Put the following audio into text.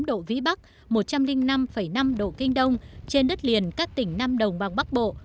một mươi độ vĩ bắc một trăm linh năm năm độ kinh đông trên đất liền các tỉnh nam đồng bằng bắc bộ